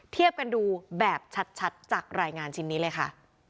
เทียบกันดูแบบชัดจากรายงานชิ้นนี้เลยค่ะ